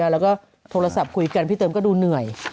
แล้วก็โทรศัพท์คุยกันพี่เติมก็ดูเหนื่อย